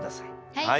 はい！